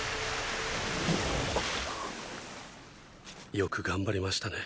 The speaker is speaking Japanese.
よく頑張りましたね